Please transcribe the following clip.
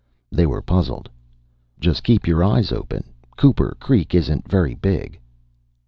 They were puzzled. "Just keep your eyes open. Cooper Creek isn't very big."